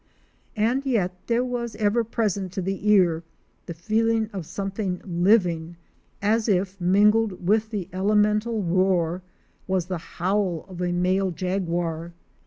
And yet there was ever present to the ear the feeling of something living — as if mingled with the elemental roar was the howl of a male jaguar.